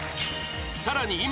更に